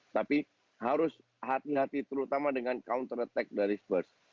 tapi harus hati hati terutama dengan counter attack dari spurs